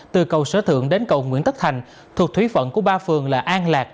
từ cầu sở thượng đến cầu nguyễn tất thành thuộc thúy phận của ba phường là an lạc